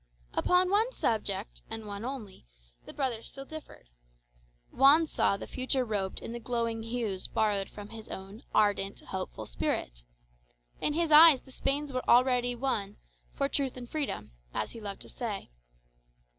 Upon one subject, and only one, the brothers still differed. Juan saw the future robed in the glowing hues borrowed from his own ardent, hopeful spirit. In his eyes the Spains were already won "for truth and freedom," as he loved to say.